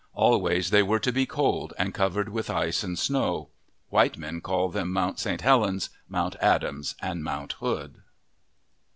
Always they were to be cold and covered with ice and snow. White men call them Mount St. Helens, Mount Adams, and Mount Hood.